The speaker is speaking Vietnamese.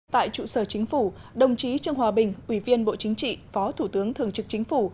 tại trụ sở chính phủ đồng chí trương hòa bình ủy viên bộ chính trị phó thủ tướng thường trực chính phủ